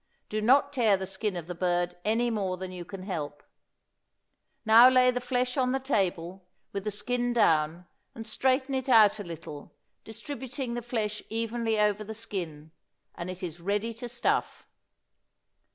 Do not tear the skin of the bird any more than you can help. Now lay the flesh on the table, with the skin down, and straighten it out a little, distributing the flesh evenly over the skin, and it is ready to stuff.